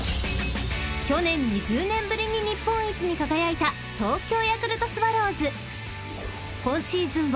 ［去年２０年ぶりに日本一に輝いた東京ヤクルトスワローズ］